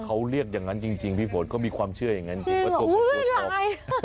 เขาเรียกอย่างนั้นจริงพี่ฝนก็มีความเชื่ออย่างนั้นจริง